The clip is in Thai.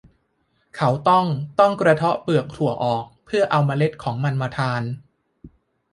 เขาต้องต้องกระเทาะเปลือกถั่วออก เพื่อเอาเมล็ดของมันมาทาน